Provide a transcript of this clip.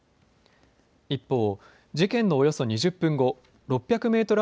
一方、事件のおよそ２０分後、６００メートル